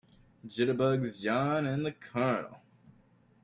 Jitterbugs JOHN and the COLONEL.